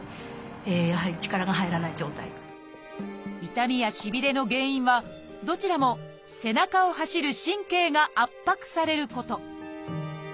痛みやしびれの原因はどちらも背中を走る神経が圧迫されること。